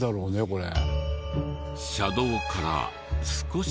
これ。